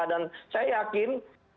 dan saya yakin